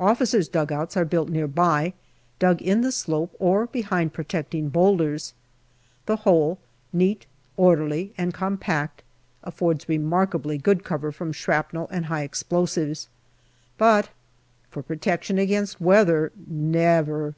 Officers' dugouts are built near by, dug in the slope or behind protecting boulders. The whole, neat, orderly, and compact, affords remarkably good cover from shrapnel and high explosives but for pro tection against weather, never.